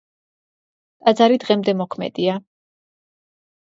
ტაძარი დღემდე მოქმედია.